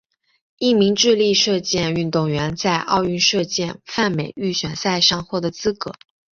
一名智利射箭运动员在奥运射箭泛美预选赛上获得资格。